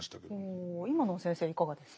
おお今のは先生いかがですか？